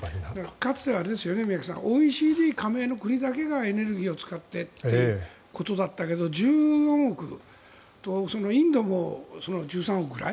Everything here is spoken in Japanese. かつてはあれですよねＯＥＣＤ加盟の国だけがエネルギーを使ってということだったけど１４億いてインドも１３億人ぐらい。